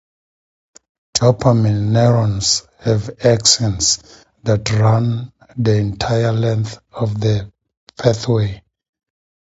Dopamine neurons have axons that run the entire length of the pathway.